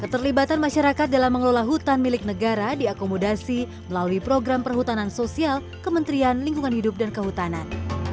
keterlibatan masyarakat dalam mengelola hutan milik negara diakomodasi melalui program perhutanan sosial kementerian lingkungan hidup dan kehutanan